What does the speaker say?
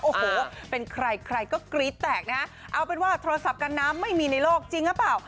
โอ้โหเป็นใครใครก็กรี๊ดแตกนะฮะเอาเป็นว่าโทรศัพท์กันน้ำไม่มีในโลกจริงหรือเปล่า